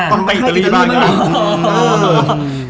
ตอนไปอิตาลีบ้างก็ได้